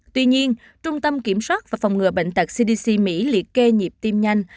tuy nhiên trung tâm kiểm soát và phòng ngừa bệnh tật cdc mỹ liệt kê nhịp tim nhanh